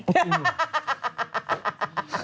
จริงเหรอ